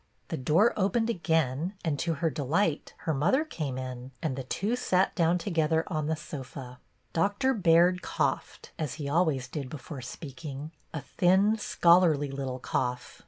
The door opened again, and, to her delight, her mother came in, and the two sat down together on the sofa. Doctor Baird coughed, as he always did before speak — a thin, scholarly little cough.